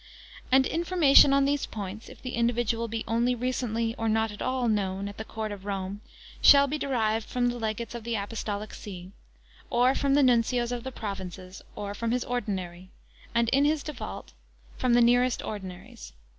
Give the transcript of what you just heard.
And information on these points, if the individual be only recently, or not at all, known at the court (of Rome), shall be derived from the Legates of the Apostolic See, or from the Nuncios of the provinces, or from his Ordinary, and in his default, from the nearest Ordinaries.